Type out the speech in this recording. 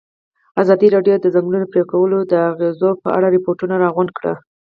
ازادي راډیو د د ځنګلونو پرېکول د اغېزو په اړه ریپوټونه راغونډ کړي.